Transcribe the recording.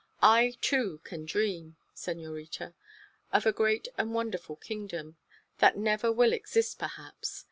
"I, too, can dream, senorita. Of a great and wonderful kingdom that never will exist, perhaps.